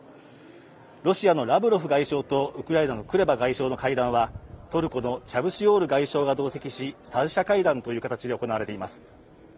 ロシアのラブロフ外相とウクライナのクレバ外相の会談は、トルコのチャブシオール外相が同席し、三者会談という形で行われています。